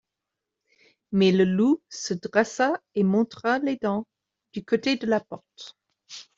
Mais le loup se dressa et montra les dents du côté de la porte.